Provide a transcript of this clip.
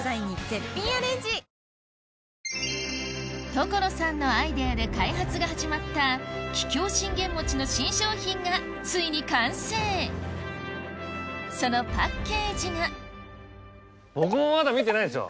所さんのアイデアで開発が始まった桔梗信玄餅の新商品がついに完成そのパッケージが僕もまだ見てないんですよ。